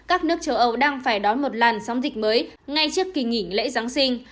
các nước châu âu đang phải đón một lần sống dịch mới ngay trước kỳ nghỉ lễ giáng sinh